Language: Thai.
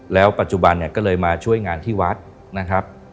แล้วปัจจุบันเนี่ยก็เลยมาช่วยงานที่วัดนะครับ